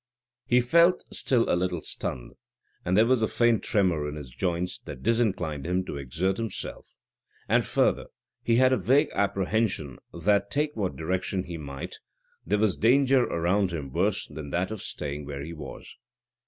He felt still a little stunned, and there was a faint tremor in his joints that disinclined him to exert himself; and, further, he had a vague apprehension that take what direction he might, there was danger around him worse than that of staying where he was.